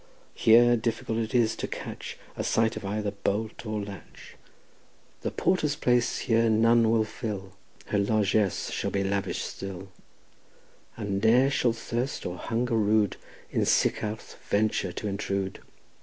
Here difficult it is to catch A sight of either bolt or latch; The porter's place here none will fill; Here largess shall be lavish'd still, And ne'er shall thirst or hunger rude In Sycharth venture to intrude.